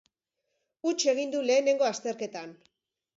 Huts egin du lehenengo azterketan.